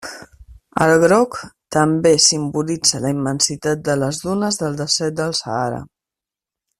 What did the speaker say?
El groc també simbolitza la immensitat de les dunes del desert del Sàhara.